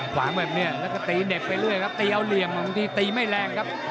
ขวางแบบนี้แล้วก็ตีเห็บไปเรื่อยครับตีเอาเหลี่ยมบางทีตีไม่แรงครับ